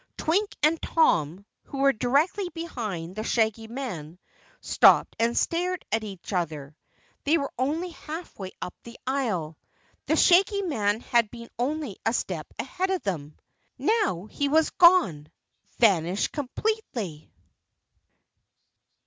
Twink and Tom, who were directly behind the Shaggy Man, stopped and stared at each other. They were only half way up the aisle. The Shaggy Man had been only a step ahead of them. Now he was gone vanished completely!